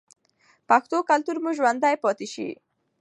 پښتو کلتور مو ژوندی پاتې شي.